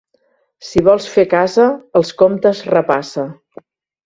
Si vols fer casa, els comptes repassa.